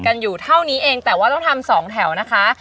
อยู่เท่านี้เองแต่ว่าต้องทำสองแถวนะคะ